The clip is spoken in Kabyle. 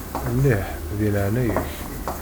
Mliḥ, di leɛnaya-k.